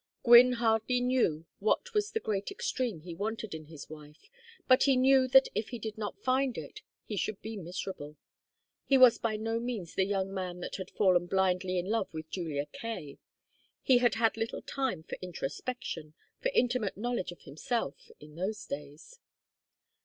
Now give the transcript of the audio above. Gwynne hardly knew what was the great extreme he wanted in his wife, but he knew that if he did not find it he should be miserable. He was by no means the young man that had fallen blindly in love with Julia Kaye. He had had little time for introspection, for intimate knowledge of himself, in those days.